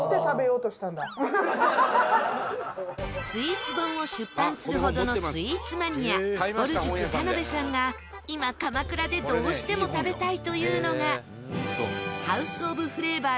スイーツ本を出版するほどのスイーツマニアぼる塾田辺さんが今鎌倉でどうしても食べたいというのが。